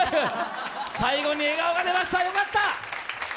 最後に笑顔が出ました、よかった。